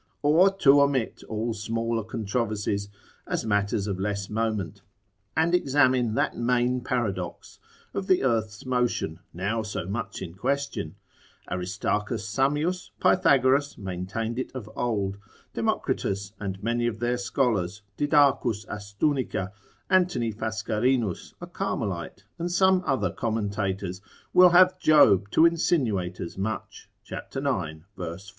Or to omit all smaller controversies, as matters of less moment, and examine that main paradox, of the earth's motion, now so much in question: Aristarchus Samius, Pythagoras maintained it of old, Democritus and many of their scholars, Didacus Astunica, Anthony Fascarinus, a Carmelite, and some other commentators, will have Job to insinuate as much, cap. 9. ver. 4.